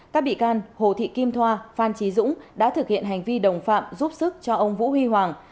các bị can hồ thị kim thoa phan trí dũng đã thực hiện hành vi đồng phạm giúp sức cho ông vũ huy hoàng